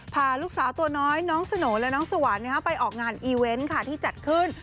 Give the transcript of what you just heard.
พาลูกสาวตัวน้อยน้องสโหน่และน้องสวรรค์ไปออกงานอีเวนต์ค่ะที่จัดขึ้น